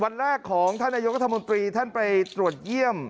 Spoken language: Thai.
วันแรกของท่านนายกรัฐมนตรีท่านไปตรวจเยี่ยม